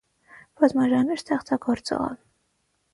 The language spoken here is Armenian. Բազմաժանր ստեղծագործող է։